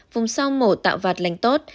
vùng sau mổ tạo vạt lành tốt